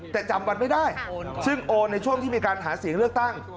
แต่จำวันไม่ได้ซึ่งโอนในช่วงที่มีการหาเสียงเลือกตั้ง